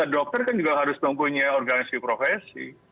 dokter kan juga harus mempunyai organisasi profesi